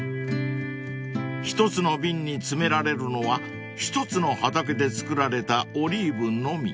［一つの瓶に詰められるのは一つの畑で作られたオリーブのみ］